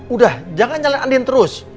udah jangan jalan andin terus